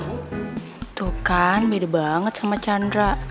itu kan beda banget sama chandra